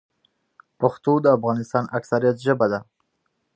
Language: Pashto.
پښتو د افغانستان اکثريت ژبه ده.